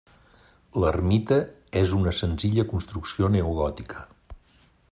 L'ermita és una senzilla construcció neogòtica.